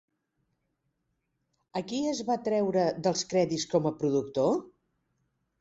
A qui es va treure dels crèdits com a productor?